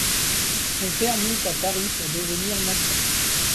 Son père monte à Paris pour devenir maçon.